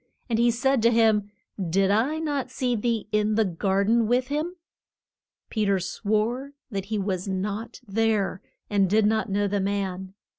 And he said to him, Did I not see thee in the gar den with him? Pe ter swore that he was not there, and did not know the man.